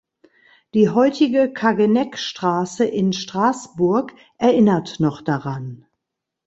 Die heutige Kageneck-Straße in Straßburg erinnert noch daran.